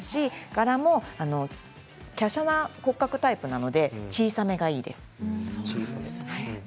柄もきゃしゃな骨格タイプなので小さめがいいです。